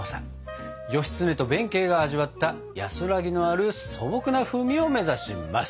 義経と弁慶が味わった安らぎのある素朴な風味を目指します！